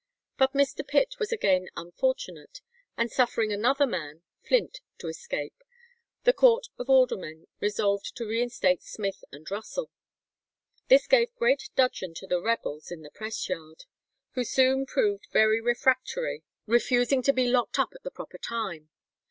But Mr. Pitt was again unfortunate; and suffering another man (Flint) to escape, the court of aldermen resolved to reinstate Smith and Russell. This gave great dudgeon to the rebels in the press yard, who soon proved very refractory, refusing to be locked up at the proper time.